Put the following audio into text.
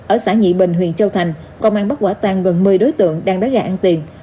ở xã nhị bình huyện châu thành công an bắt quả tang gần một mươi đối tượng đang đá gà ăn tiền